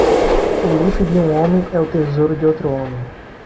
O lixo de um homem é o tesouro de outro homem.